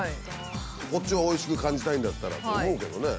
こっちをおいしく感じたいんだったらと思うけどね。